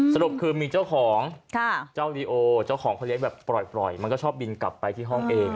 สรุปคือมีเจ้าของเจ้าลีโอเจ้าของเขาเลี้ยงแบบปล่อยมันก็ชอบบินกลับไปที่ห้องเอง